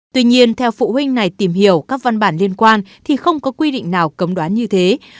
tuy nhiên theo phụ huynh này tìm hiểu các văn bản liên quan thì không có quy định nào cấm đoán như thế